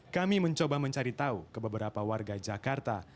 kami mencoba mencari tahu ke beberapa warga jakarta